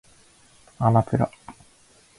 あまぷら